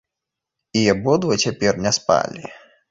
І абодва цяпер не спалі.